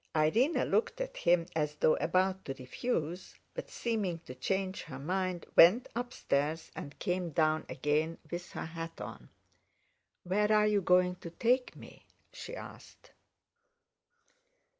Irene looked at him as though about to refuse, but, seeming to change her mind, went upstairs, and came down again with her hat on. "Where are you going to take me?" she asked.